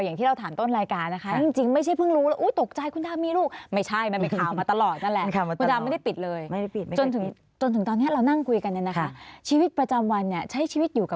อย่างที่เราถามต้นรายการนะคะจริงไม่ใช่เพิ่งรู้ตกใจคุณดาวมีลูก